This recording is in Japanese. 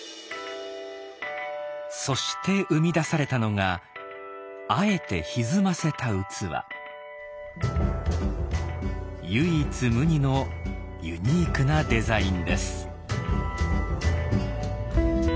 そして生み出されたのがあえて唯一無二のユニークなデザインです。